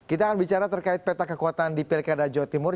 kita akan bicara terkait peta kekuatan di pilkada jawa timur